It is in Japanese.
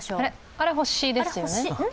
あれ、星ですよね？